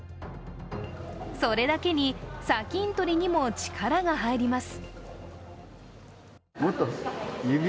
それだけに砂金採りにも力が入ります。